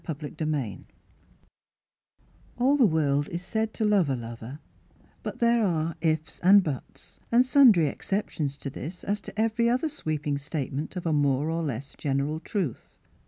n All the world is said to love a lover; but there are " ifs " and " buts " and sundry exceptions to this as to every other sweeping statement of a more or less gen eral truth.